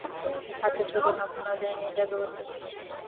আচ্ছা, চলুন আপনাদের নিয়ে যাওয়ার ব্যবস্থা করছি।